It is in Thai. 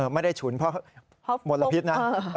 ไม่ได้ฉุนเพราะมลพิษนะ